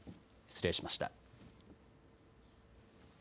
失礼しました。